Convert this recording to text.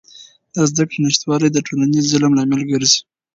د زدهکړې نشتوالی د ټولنیز ظلم لامل ګرځي.